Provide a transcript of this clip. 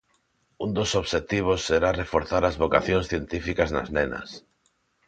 Un dos obxectivos será reforzar as vocacións científicas nas nenas.